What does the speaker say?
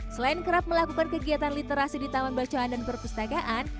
selain kerap melakukan kegiatan literasi di taman bacaan dan perpustakaan